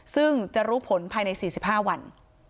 ซึ่งจะรู้ผลภายใน๔๕วัน